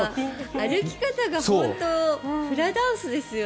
歩き方が本当、フラダンスですよね。